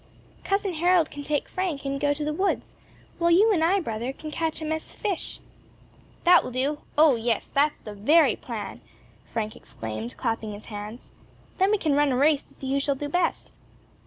"Cousin Harold can take Frank and go to the woods, while you and I, brother, can catch a mess of fish." "That will do! O, yes, that is the very plan," Frank exclaimed, clapping his hands. "Then we can run a race to see who shall do best."